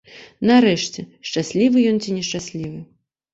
Нарэшце, шчаслівы ён ці нешчаслівы.